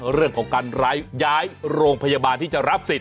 เรื่องของการย้ายโรงพยาบาลที่จะรับสิทธ